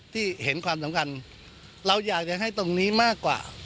ที่เห็นความสำคัญเราอยากจะให้ตรงนี้มากกว่า